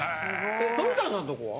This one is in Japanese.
鳥谷さんとこは？